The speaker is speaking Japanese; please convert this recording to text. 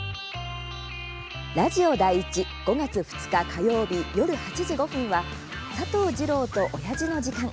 ラジオ第１、５月２日、火曜日夜８時５分は「佐藤二朗とオヤジの時間」。